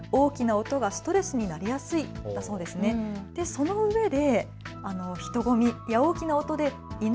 そのうえで。